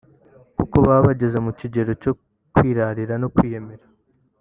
kuko baba bageze mu kigero cyo kwirarira no kwiyemera